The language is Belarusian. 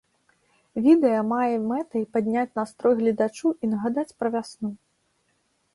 Відэа мае мэтай падняць настрой гледачу і нагадаць пра вясну.